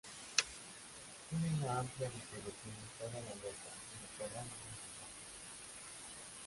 Tiene una amplia distribución en toda la Europa mediterránea y en Asia.